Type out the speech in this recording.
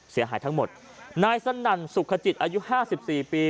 เสียหายทั้งหมดนายสนั่นสุขจิตอายุห้าสิบสี่ปี